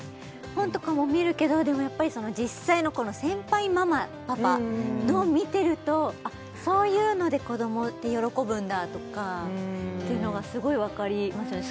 本とかも見るけどでもやっぱり実際の先輩ママパパのを見てるとあっそういうので子どもって喜ぶんだとかっていうのがすごい分かりますよね